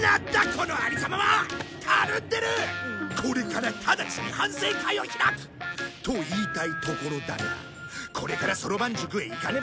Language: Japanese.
これから直ちに反省会を開く！と言いたいところだがこれからそろばん塾へ行かねばならん。